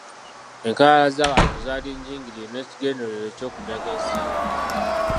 Enkalala z’abantu zaali njingirire n’ekigendererwa eky’okunyaga ensimbi.